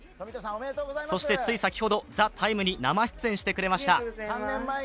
そしてつい先ほど、「ＴＨＥＴＩＭＥ，」に生出演してくれました。